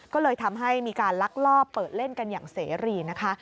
ก็เลยทำให้มีการลักลอบเปิดเล่นกันอย่างเสรีนะคะ